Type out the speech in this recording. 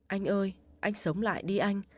anh ơi anh sống lại đi anh